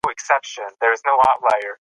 په ټولنه کې د ښځو ونډه ډېره مهمه ده.